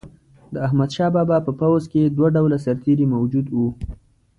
د احمدشاه بابا په پوځ کې دوه ډوله سرتیري موجود وو.